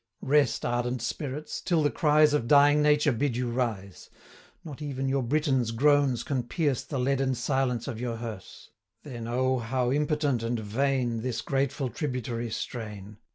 195 Rest, ardent Spirits! till the cries Of dying Nature bid you rise; Not even your Britain's groans can pierce The leaden silence of your hearse; Then, O, how impotent and vain 200 This grateful tributary strain!